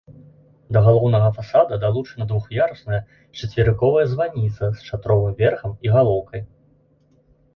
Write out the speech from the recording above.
Да галоўнага фасада далучана двух'ярусная чацверыковая званіца з шатровым верхам і галоўкай.